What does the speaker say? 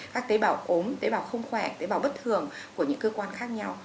các tế bào ốm tế bào không khỏe tế bào bất thường của những cơ quan khác nhau